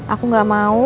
aku gak mau